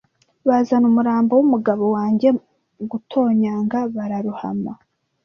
Bazana umurambo wumugabo wanjye gutonyanga bararohama .